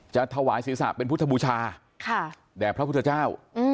จะถวายศิษย์ศาสตร์เป็นพุทธบูชาแด่พระพุทธเจ้า